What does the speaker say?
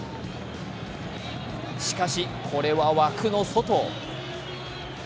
しかし、これは枠の外。